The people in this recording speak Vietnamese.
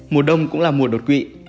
mùa đông cũng là mùa đột quỵ